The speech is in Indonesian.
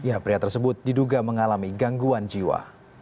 ya pria tersebut diduga mengalami gangguan jiwa